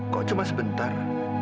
kok cuma sebentar